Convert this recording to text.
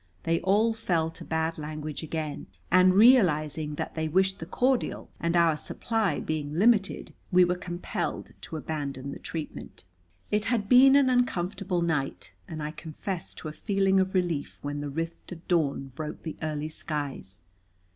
They all fell to bad language again, and, realizing that they wished the cordial, and our supply being limited, we were compelled to abandon the treatment. It had been an uncomfortable night, and I confess to a feeling of relief when "the rift of dawn" broke the early skies.